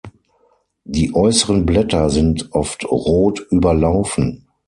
Die äußeren Blätter sind oft rot überlaufen.